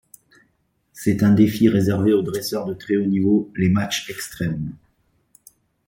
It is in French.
C'est un défi réservé aux dresseurs de très haut niveau, les matchs extrêmes.